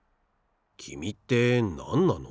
きみってなんなの？